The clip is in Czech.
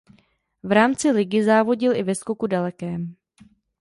V rámci ligy závodil i ve skoku dalekém.